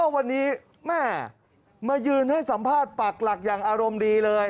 วันนี้แม่มายืนให้สัมภาษณ์ปักหลักอย่างอารมณ์ดีเลย